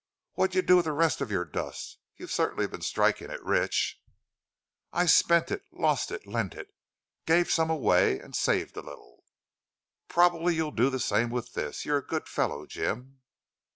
What'd you do with the rest of your dust? You've certainly been striking it rich." "I spent it lost it lent it gave some away and saved a little." "Probably you'll do the same with this. You're a good fellow, Jim."